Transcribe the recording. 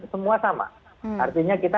semua sama artinya kita